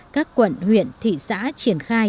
các quận huyện thị xã triển khai